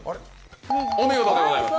お見事でございます。